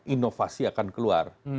inovasi akan keluar